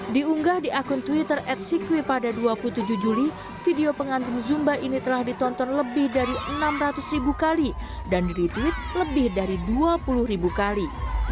diunggah di akun twitter at sikwe pada dua puluh tujuh juli video pengantin zumba ini telah ditonton lebih dari enam ratus ribu kali dan di retweet lebih dari dua puluh ribu kali